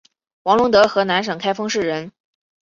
王陇德河南省开封市人。